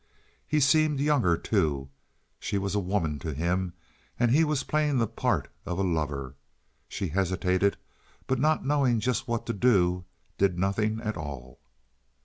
He seemed younger, too. She was a woman to him, and he was playing the part of a lover. She hesitated, but not knowing just what to do, did nothing at all.